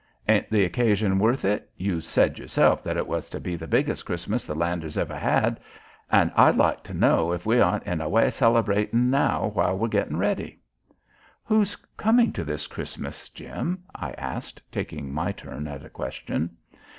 "Ain't the occasion worth it? You sed yourself that it was to be the biggest Christmas the Landers ever hed; and I'd like to know if we aren't in a way celebratin' now while we're gettin' ready." "Who's coming to this Christmas, Jim?" I asked, taking my turn at a question.